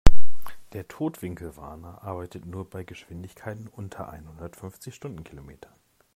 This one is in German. Der Totwinkelwarner arbeitet nur bei Geschwindigkeiten unter einhundertfünfzig Stundenkilometern.